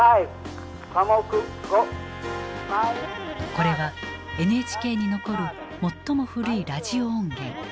これはＮＨＫに残る最も古いラジオ音源。